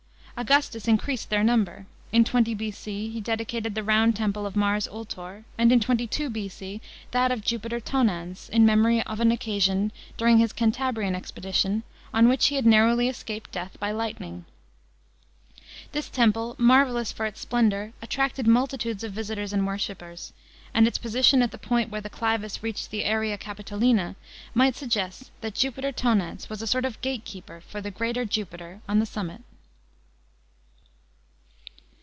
Augustus increased their number. In 20 B.C. he dediicated the round temple 27 B.O. H A.D. THE PALATINE. 147 of Mars Ultor, and in 22 B.C. that of Jupiter Tonans, in memory of an occasion, during his Cantabrian expedition, on which he had narrowly escaped death by lightning. This temple, marvellous for itz splendour, attracted muliitudes of visitors and worshippers, and its position at the point where ihe Clivus reached the Area Capitolina might suggest that Jupiter Tonans was a sort of gate keeper for the greater Jupiter on the summit.